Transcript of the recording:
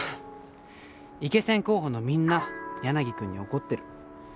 イケセン候補のみんな柳くんに怒ってる。